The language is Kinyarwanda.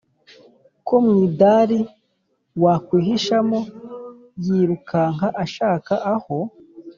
ko mwidari wakwihishamo yirukanka ashaka aho